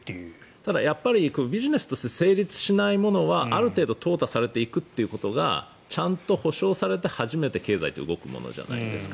ただ、ビジネスとして成立しないものはある程度とう汰されていくということがちゃんと保証されてはじめて経済って動くじゃないですか。